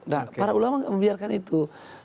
nah para ulama gak membiarkan itu